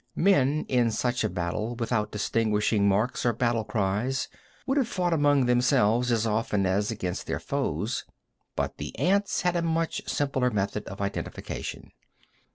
Men in such a battle, without distinguishing marks or battle cries, would have fought among themselves as often as against their foes, but the ants had a much simpler method of identification.